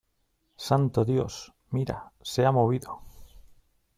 ¡ santo Dios! mira, se ha movido.